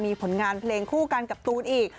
มีผลงานเพลงคู่กันกับตูนอีก